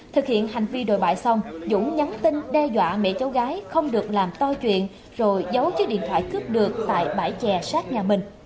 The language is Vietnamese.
thực hiện hành vi đồi bại xong dũng nhắn tin đe dọa mẹ cháu gái không được làm to chuyện rồi giấu chiếc điện thoại cướp được tại bãi chè sát nhà mình